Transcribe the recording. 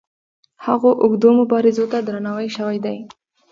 هغو اوږدو مبارزو ته درناوی شوی دی.